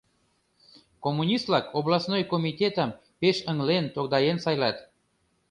Коммунист-влак областной комитетам пеш ыҥлен, тогдаен сайлат.